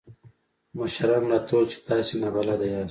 مشرانو راته وويل چې تاسې نابلده ياست.